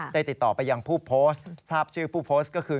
ติดต่อไปยังผู้โพสต์ทราบชื่อผู้โพสต์ก็คือ